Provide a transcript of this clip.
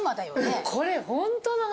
これホントの話？